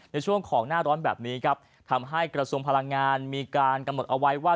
ในช่วงของหน้าร้อนแบบนี้ครับทำให้กระทรวงพลังงานมีการกำหนดเอาไว้ว่า